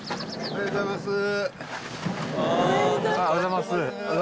おはようございます。